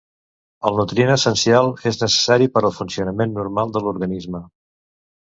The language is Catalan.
El nutrient essencial és necessari per al funcionament normal de l'organisme.